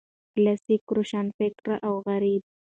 کلاسیک روشنفکر او غرب